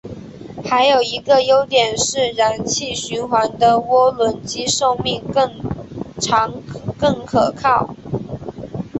还有一个优点是燃气循环的涡轮机寿命更长更可靠。